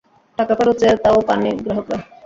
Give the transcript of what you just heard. টাকা ফেরত চেয়ে তাও পাননি গ্রাহকরা।